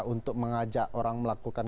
untuk mengajak orang melakukan